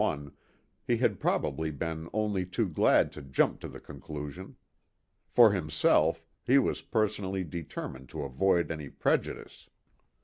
1, he had probably been only too glad to jump to the conclusion. For himself, he was personally determined to avoid any prejudice.